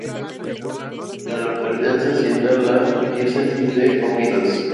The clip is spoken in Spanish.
En la localidad se asienta la Diócesis de Óbidos.